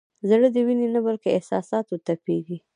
زړه د وینې نه بلکې احساساتو تپېږي.